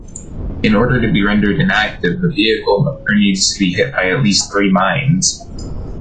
In order to be rendered inactive, the vehicle needs to be hit by at least three mines.